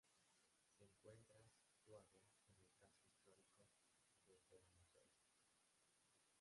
Se encuentra situado en el casco histórico de Fermoselle.